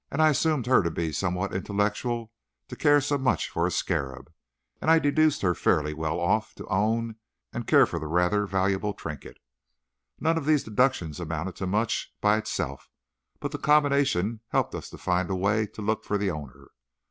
I assumed her to be somewhat intellectual to care so much for a scarab, and I deduced her fairly well off to own and to care for the rather valuable trinket. None of these deductions amounted to much by itself, but the combination helped us to find a way to look for the owner.